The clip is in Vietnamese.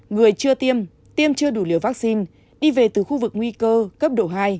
người chưa tiêm tiêm chưa đủ liều vaccine đi về từ khu vực nguy cơ cấp độ hai